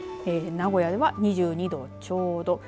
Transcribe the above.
名古屋では２２度ちょうど。